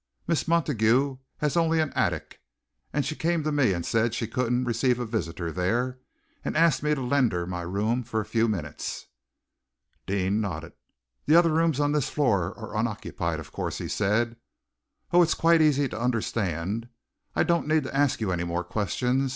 Miss Montague has only an attic, and she came to me and said that she couldn't receive a visitor there, and asked me to lend her my room for a few minutes." Deane nodded. "The other rooms on this floor are unoccupied, of course," he said. "Oh! it's quite easy to understand. I don't need to ask you any more questions.